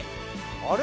あれ？